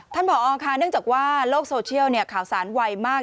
ผอค่ะเนื่องจากว่าโลกโซเชียลข่าวสารไวมาก